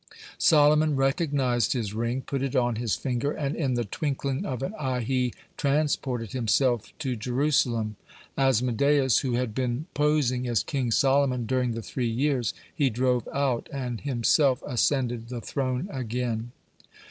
Solomon recognized his ring, put it on his finger, and in the twinkling of an eye he transported himself to Jerusalem. Asmodeus, who had been posing as King Solomon during the three years, he drove out, and himself ascended the throne again.